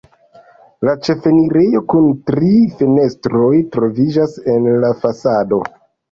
La ĉefenirejo kun tri fenestroj troviĝas en la fasado.